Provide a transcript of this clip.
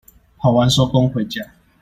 跑完收工回家